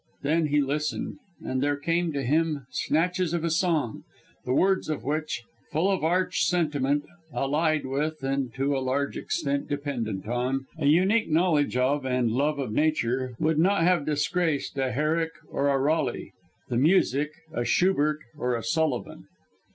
Then he listened, and there came to him snatches of a song, the words of which, full of arch sentiment, allied with (and to a large extent dependent on), a unique knowledge of and love of nature would not have disgraced a Herrick or a Raleigh the music a Schubert, or a Sullivan.